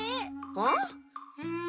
あっ？